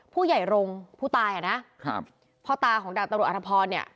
ผู้ใหญ่รงค์ผู้ตายอ่ะนะครับพ่อตาของดาบตำรวจอธพรเนี่ย